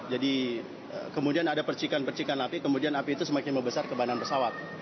jadi kemudian ada percikan percikan api kemudian api itu semakin membesar ke badan pesawat